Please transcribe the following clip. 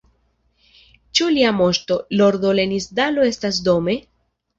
Ĉu Lia Moŝto, Lordo Lenisdalo estas dome?